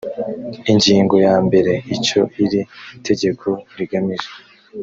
ingingo ya mbere: icyo iri tegeko rigamije